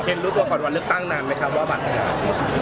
เช่นรู้ตัวก่อนวันเลือกตั้งนานไหมครับว่าบันทึกราบ